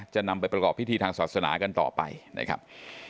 จะนำไปประกอบพิธีทางศาสนากันต่อไปนะครับ